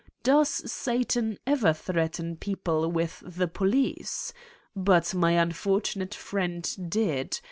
Does Satan ever threaten people with the police? But my un fortunate friend did.